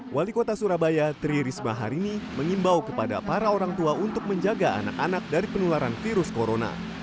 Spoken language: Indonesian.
wali kota surabaya tri risma hari ini mengimbau kepada para orang tua untuk menjaga anak anak dari penularan virus corona